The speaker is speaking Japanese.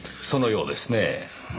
そのようですねぇ。